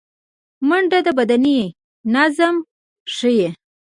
منډه د بدني نظم ښيي